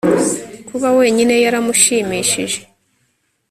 Kuba wenyine yaramushimishije